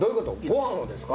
ご飯をですか？